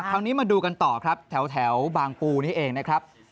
คราวนี้มาดูกันต่อครับแถวบางปูนี่เองนะครับ